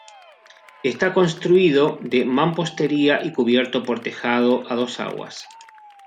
Está construido de mampostería y cubierto por tejado a dos aguas.